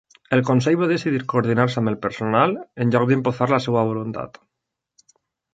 El consell va decidir coordinar-se amb el personal en lloc d'imposar la seva voluntat.